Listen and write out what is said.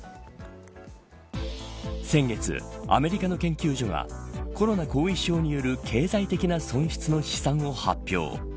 先月アメリカの研究所がコロナ後遺症による経済的な損失の試算を発表。